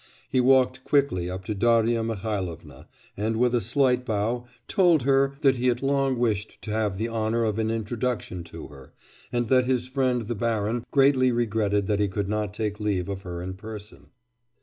He walked quickly up to Darya Mihailovna, and with a slight bow told her that he had long wished to have the honour of an introduction to her, and that his friend the baron greatly regretted that he could not take leave of her in person.